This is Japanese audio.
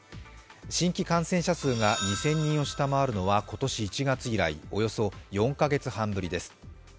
新規感染者数が２０００人を下回るのは今年１月以来およそ４カ月半ぶりです。